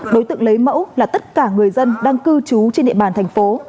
đối tượng lấy mẫu là tất cả người dân đang cư trú trên địa bàn thành phố